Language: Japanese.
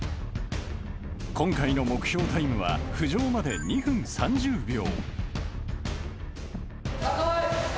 今回の目標タイムは浮上まで２分３０秒。